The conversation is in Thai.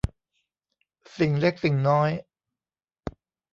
สิ่งเล็กสิ่งน้อย